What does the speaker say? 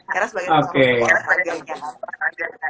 karena sebagai orang tua saya agak nyaman